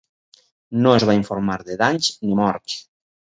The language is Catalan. No es va informar de danys ni morts.